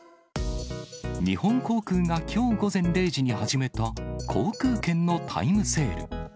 日本航空がきょう午前０時に始めた航空券のタイムセール。